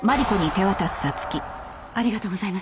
ありがとうございます。